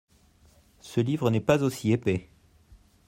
Ce livre n'est pas aussi épais.